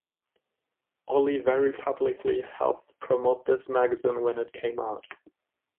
Oli very publicly helped promote this magazine when it came out.